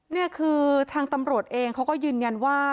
นี่คือทางตำรวจเองเขาก็ยืนยันว่า